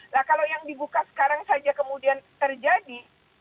nah kalau yang dibuka sekarang saja kemudian terjadi